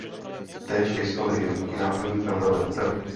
Též existovaly i linky nákladní tramvajové dopravy.